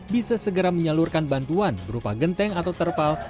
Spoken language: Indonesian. bisa segera menyalurkan bantuan berupa genteng atau terpal